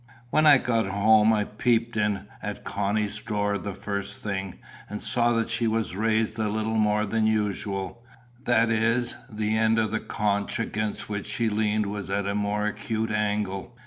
When I got home, I peeped in at Connie's door the first thing, and saw that she was raised a little more than usual; that is, the end of the conch against which she leaned was at a more acute angle.